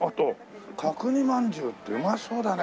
角煮まんじゅうってうまそうだね。